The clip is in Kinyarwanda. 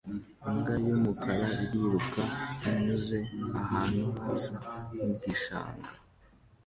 Imbwa yumukara iriruka inyuze ahantu hasa nigishanga